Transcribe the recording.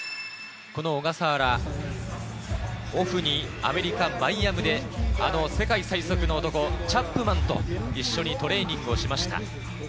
ここまで小笠原、オフにマイアミであの世界最速の男・チャップマンと一緒にトレーニングをしました。